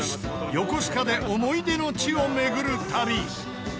横須賀で思い出の地を巡る旅。